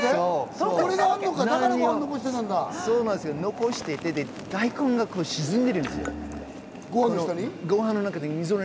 ご飯を残していて、大根が沈んでるんですよ。